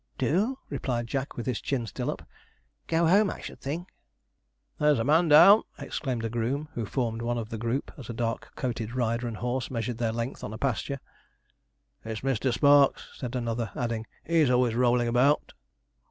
'Do?' replied Jack, with his chin still up; 'go home, I should think.' 'There's a man down!' exclaimed a groom, who formed one of the group, as a dark coated rider and horse measured their length on a pasture. 'It's Mr. Sparks,' said another, adding, 'he's always rolling about.'